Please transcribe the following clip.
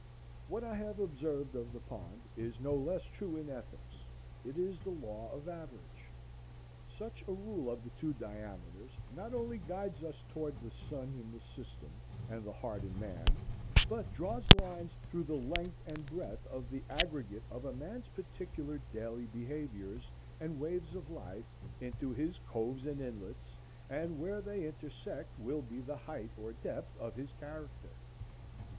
What I have observed of the pond is no less true in ethics. It is the law of average. Such a rule of the two diameters not only guides us toward the sun in the system and the heart in man, but draw lines through the length and breadth of the aggregate of a man's particular daily behaviors and waves of life into his coves and inlets, and where they intersect will be the height or depth of his character.